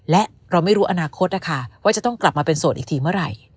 และเราไม่รู้อนาคตนะคะว่าจะต้องกลับมาเป็นโสดอีกทีเมื่อไหร่